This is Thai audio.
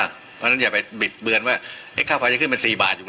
เพราะฉะนั้นอย่าไปบิดเบือนไว้ว่าไข้ไฟจะขึ้นเป็น๔บาท